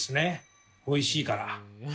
おいしいから！